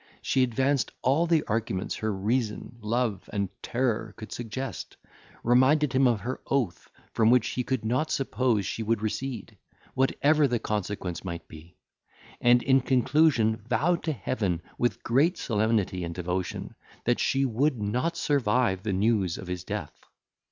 She advanced all the arguments her reason, love, and terror could suggest, reminded him of her oath, from which he could not suppose she would recede, whatever the consequence might be; and in conclusion vowed to Heaven, with great solemnity and devotion, that she would not survive the news of his death.